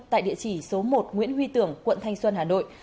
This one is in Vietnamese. tại địa chỉ số một nguyễn huy tưởng quận thanh xuân hà nội